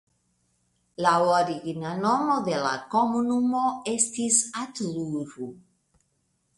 La origina nomo de la komunumo estis Atluru.